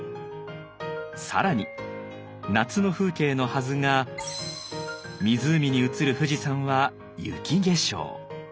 更に夏の風景のはずが湖に映る富士山は雪化粧。